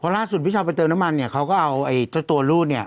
เพราะล่าสุดพี่ชาวไปเติมน้ำมันเนี่ยเขาก็เอาตัวรูดเนี่ย